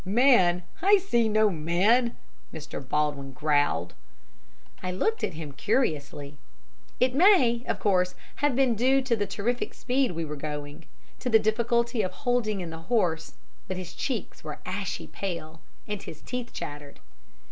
"Man! I can see no man!" Mr. Baldwin growled. I looked at him curiously. It may, of course, have been due to the terrific speed we were going, to the difficulty of holding in the horse, but his cheeks were ashy pale, and his teeth chattered.